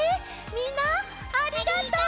みんなありがとう！